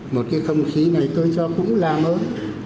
một cái không khí này tôi cho cũng làm thôi